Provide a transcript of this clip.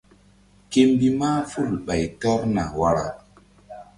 Ke mbih mahful ɓay tɔrna wara.